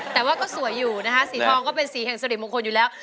แต่ว่าก็สวยอยู่นะคะสีทองก็เป็นสีแห่งสริมงคลอยู่แล้ว